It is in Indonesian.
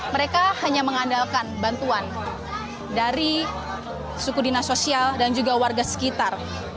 mereka hanya mengandalkan bantuan dari suku dinas sosial dan juga warga sekitar